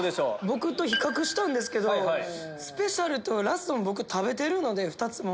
僕と比較したんですけどスペシャルメニューとラストに僕食べてるので２つも。